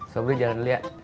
sobri jangan lihat